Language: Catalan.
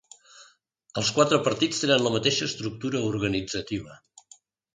Els quatre partits tenen la mateixa estructura organitzativa.